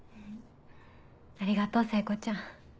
ありがとう聖子ちゃん。